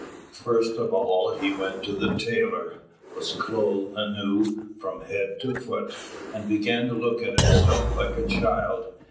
First of all he went to the tailor, was clothed anew from head to foot, and began to look at himself like a child.